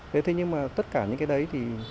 thế nhưng mà tất cả những cái đấy